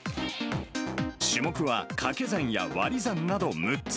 種目はかけ算や割り算など６つ。